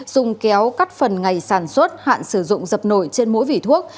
dùng kéo cắt phần ngày sản xuất hạn sử dụng dập nổi trên mỗi vỉ thuốc